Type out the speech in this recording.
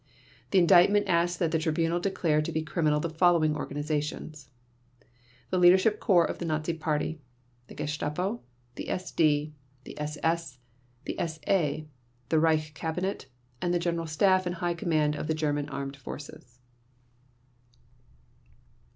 The Indictment asks that the Tribunal declare to be criminal the following organizations; The Leadership Corps of the Nazi Party; the Gestapo; the SD; the SS; the SA; the Reich Cabinet, and the General Staff and High Command of the German Armed Forces.